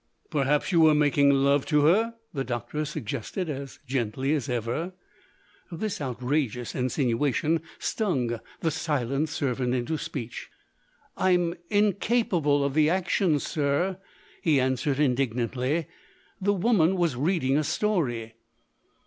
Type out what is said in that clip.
"Perhaps you were making love to her?" the doctor suggested, as gently as ever. This outrageous insinuation stung the silent servant into speech. "I'm incapable of the action, sir!" he answered indignantly; "the woman was reading a story."